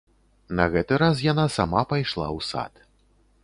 На гэты раз яна сама пайшла ў сад.